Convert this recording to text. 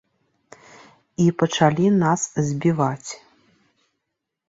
І пачалі нас збіваць.